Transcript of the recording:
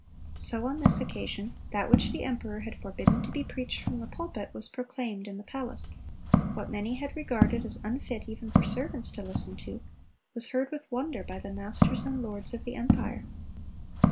So on this occasion, that which the emperor had forbidden to be preached from the pulpit, was proclaimed in the palace; what many had regarded as unfit even for servants to listen to, was heard with wonder by the masters and lords of the empire.